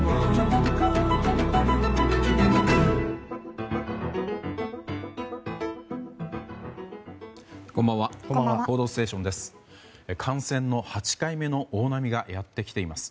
「報道ステーション」です。